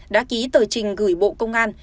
đã ký tờ trình gửi bộ công an